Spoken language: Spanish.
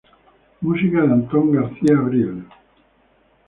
Música de Antón García Abril.